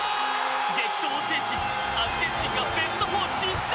激闘を制しアルゼンチンがベスト４進出！